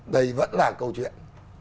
đây vẫn là câu chuyện